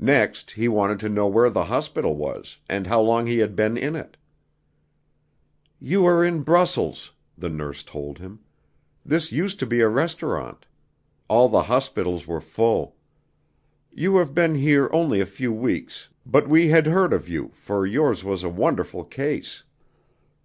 Next, he wanted to know where the hospital was, and how long he had been in it. "You are in Brussels," the nurse told him. "This used to be a restaurant. All the hospitals were full. You have been here only a few weeks, but we had heard of you, for yours was a wonderful case.